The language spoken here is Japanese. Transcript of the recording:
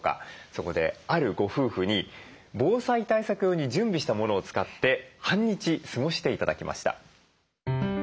そこであるご夫婦に防災対策用に準備したものを使って半日過ごして頂きました。